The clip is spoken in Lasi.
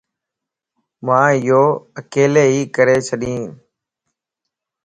مان ايو اڪيلي ھي ڪري ڇڏين